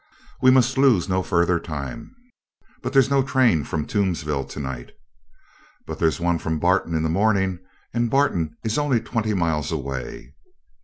"We must lose no further time." "But there's no train from Toomsville tonight." "But there's one from Barton in the morning and Barton is only twenty miles away."